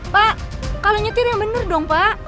pak kalau nyetir yang benar dong pak